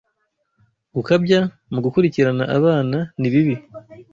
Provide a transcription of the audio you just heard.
Gukabya mu gukurikirana abana ni bibi